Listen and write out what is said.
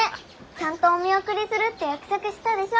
ちゃんとお見送りするって約束したでしょ？